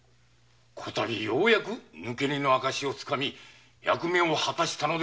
こ度ようやく抜け荷の証をつかみ役目を果たしました。